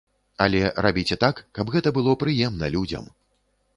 Але рабіце так, каб гэта было прыемна людзям.